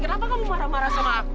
kenapa kamu marah marah sama aku